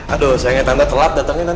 aduh sayangnya tante telat datangnya tante